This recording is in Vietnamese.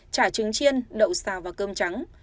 chả trứng chiên đậu xào và cơm trắng